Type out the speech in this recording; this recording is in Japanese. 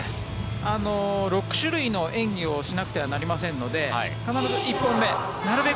６種類の演技をしなくてはなりませんので必ず１本目なるべく